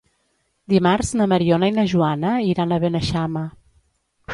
Dimarts na Mariona i na Joana iran a Beneixama.